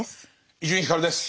伊集院光です。